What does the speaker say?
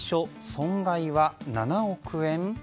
損害は７億円？